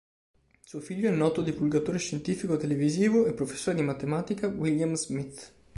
Suo figlio è il noto divulgatore scientifico televisivo e professore di matematica William Smith.